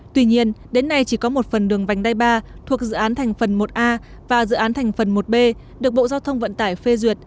tuy nhiên đến nay chỉ có một phần đường vành đai ba thuộc dự án thành phần một a và dự án thành phần một b được bộ giao thông vận tải phê duyệt